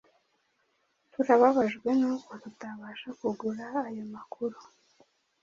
Turababajwe nuko tutabasha kuguha ayo makuru.